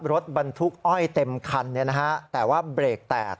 รถบรรทุกอ้อยเต็มคันแต่ว่าเบรกแตก